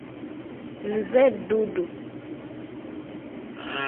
Nze Dudu.